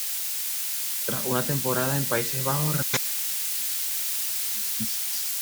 Tras una temporada en Países Bajos regresa al Belenenses.